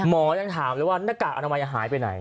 หมอยังถามเลยว่าหน้ากากอนามัยหายไปไหน